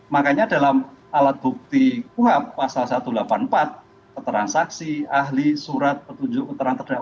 makanya dalam alat bukti kuhab pasal satu ratus delapan puluh empat keterangan saksi ahli surat petunjuk keterangan terdakwa